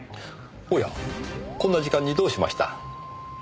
おやこんな時間にどうしました？